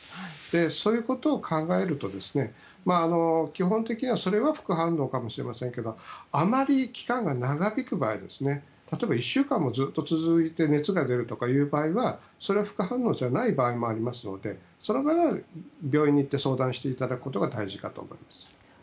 そういうことを考えると基本的にはそれは副反応かもしれませんがあまり期間が長引く場合例えば１週間もずっと続いて熱が出る場合は副反応じゃない場合もありますので病院に行っていただくことが大事かと思います。